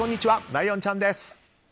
ライオンちゃんです。